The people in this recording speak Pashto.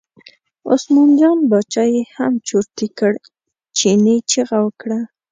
عثمان جان باچا یې هم چرتي کړ، چیني چغه وکړه.